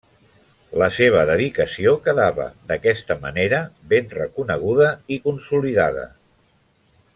La seva dedicació quedava d'aquesta manera ben reconeguda i consolidada.